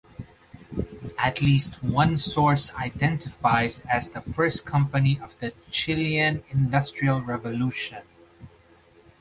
At least one source identifies as the first company of the Chilean industrial revolution.